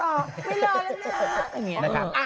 ไม่รอแล้วนะ